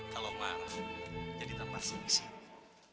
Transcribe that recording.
kalau marah jadi tanpa asing sih